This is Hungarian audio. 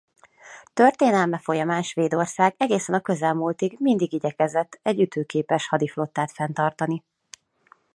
Történelme folyamán Svédország egészen a közelmúltig mindig igyekezett egy ütőképes hadiflottát fenntartani.